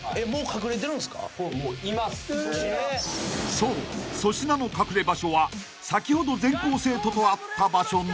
［そう粗品の隠れ場所は先ほど全校生徒と会った場所の］